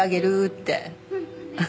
って。